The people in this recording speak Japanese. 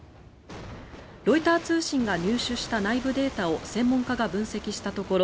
ロイター通信が入手した内部データを専門家が分析したところ